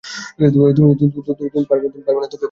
তুমি পারবে না তো কে পারবে?